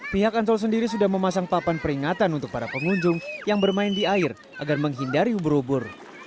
pihak ancol sendiri sudah memasang papan peringatan untuk para pengunjung yang bermain di air agar menghindari ubur ubur